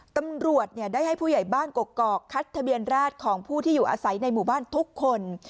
ตำรวจได้ให้ผู้ใหญ่บ้านกกอกคัดทะเบียนราชของผู้ที่อยู่อาศัยในหมู่บ้านทุกคน